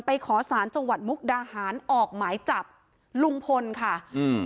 ขอสารจังหวัดมุกดาหารออกหมายจับลุงพลค่ะอืม